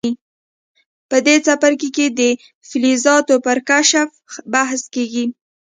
په دې څپرکي کې د فلزاتو پر کشف بحث کیږي.